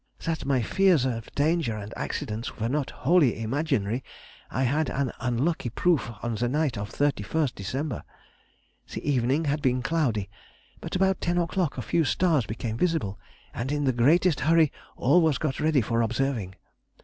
That my fears of danger and accidents were not wholly imaginary, I had an unlucky proof on the night of the 31st December. The evening had been cloudy, but about ten o'clock a few stars became visible, and in the greatest hurry all was got ready for observing.